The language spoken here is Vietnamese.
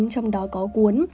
trong đó có cuốn